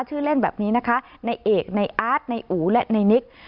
ชื่อเล่นแบบนี้นะคะในเอกในอาร์ตในอู๋และในนิก